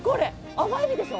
甘エビでしょ？